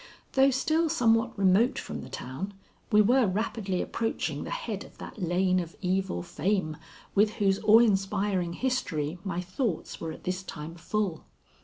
Though still somewhat remote from the town, we were rapidly approaching the head of that lane of evil fame with whose awe inspiring history my thoughts were at this time full.